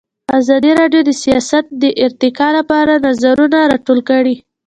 ازادي راډیو د سیاست د ارتقا لپاره نظرونه راټول کړي.